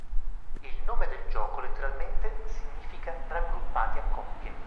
Il nome del gioco, letteralmente, significa "raggruppati a coppie".